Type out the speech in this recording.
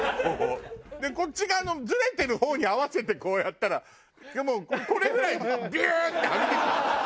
こっち側のずれてる方に合わせてこうやったらもうこれぐらいビューッてはみ出て。